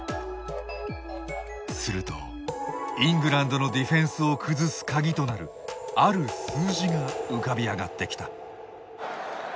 すると、イングランドのディフェンスを崩す鍵となるある数字が浮かび上がってきた。